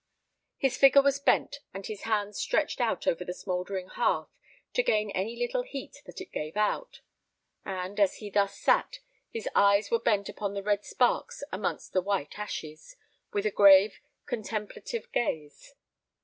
His figure was bent, and his hands stretched out over the smouldering hearth to gain any little heat that it gave out; and, as he thus sat, his eyes were bent upon the red sparks amongst the white ashes, with a grave, contemplative gaze.